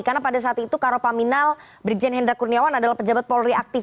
karena pada saat itu karopaminal brigjen hendra kurniawan adalah pejabat polri aktif